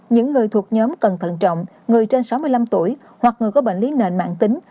những người thuộc nhóm cẩn thận trọng người trên sáu mươi năm tuổi hoặc người có bệnh lý nền mạng tính